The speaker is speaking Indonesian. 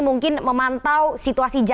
mungkin memantau situasi jadinya